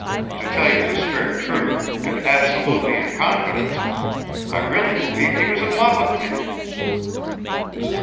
To tell you the strict truth, and absolutely in confidence, I really believe he was in love with me!"